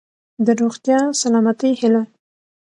د روغتیا ،سلامتۍ هيله .💡